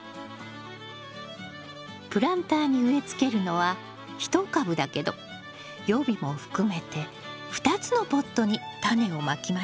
プランターに植えつけるのは１株だけど予備も含めて２つのポットにタネをまきましょう。